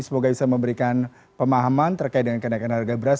semoga bisa memberikan pemahaman terkait dengan kenaikan harga beras